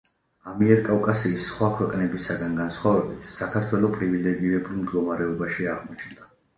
ამიერკავკასიის სხვა ქვეყნებისაგან განსხვავებით, საქართველო პრივილეგირებულ მდგომარეობაში აღმოჩნდა.